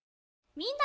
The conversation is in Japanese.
みんな！